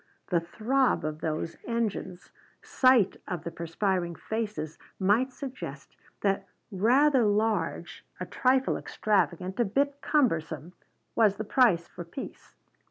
The throb of those engines, sight of the perspiring faces, might suggest that rather large, a trifle extravagant, a bit cumbersome, was the price for peace.